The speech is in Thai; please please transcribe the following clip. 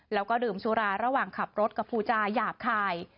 แล้วก็ดื่มสุราระหว่างขับรถกับภูจาหยาบคาย